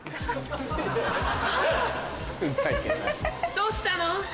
どうしたの？